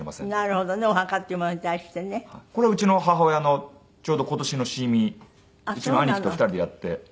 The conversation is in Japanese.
なるほどね。お墓っていうものに対してね。これはうちの母親のちょうど今年の清明祭うちの兄貴と２人でやって。